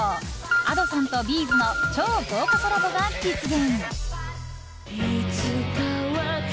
ＡｄｏさんとＢ’ｚの超豪華コラボが実現。